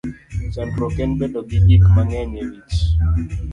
Chandruok en bedo gi gik mang'eny e wich.